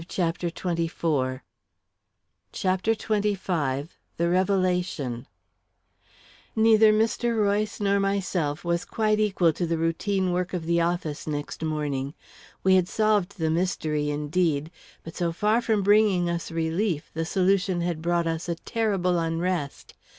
CHAPTER XXV The Revelation Neither Mr. Royce nor myself was quite equal to the routine work of the office next morning. We had solved the mystery, indeed; but so far from bringing us relief, the solution had brought us a terrible unrest.